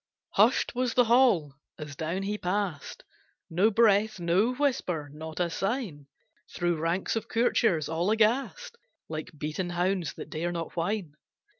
Hushed was the hall, as down he past, No breath, no whisper, not a sign, Through ranks of courtiers, all aghast Like beaten hounds that dare not whine.